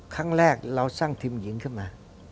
ครั้งแรกเราสร้างทีมหญิงขึ้นมา